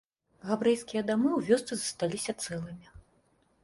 Габрэйскія дамы ў вёсцы засталіся цэлымі.